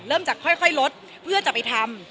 เริ่มจากค่อยลดเพื่อจะไปทำ